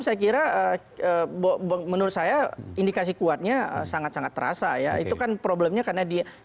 saya kira menurut saya indikasi kuatnya sangat sangat terasa ya itu kan problemnya karena dia